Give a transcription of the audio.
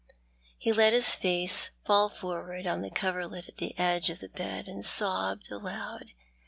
He let his face fall forward on the coverlet at the edge of the bed, and sobbed aloud.